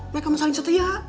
mereka mah saling setia